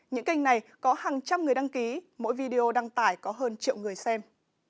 những kênh này có hàng trăm người đăng ký mỗi video đăng tải có hơn triệu người xem